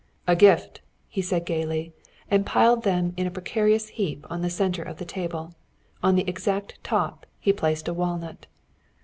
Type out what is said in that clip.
"A gift!" he said gayly, and piled them in a precarious heap in the center of the table. On the exact top he placed a walnut.